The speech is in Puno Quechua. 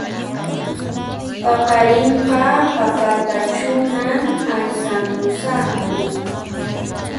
Paqarinqa papatachunan aysamusaqku